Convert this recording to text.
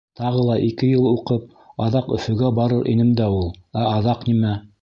Тағы ла ике йыл уҡып, аҙаҡ Өфөгә барыр инем дә ул. Ә аҙаҡ нимә?